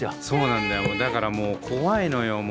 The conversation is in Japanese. そうなんだよだからもう怖いのよ。